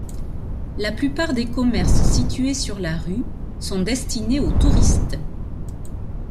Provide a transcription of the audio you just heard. La plupart des commerces situés sur la rue sont destinés aux touristes.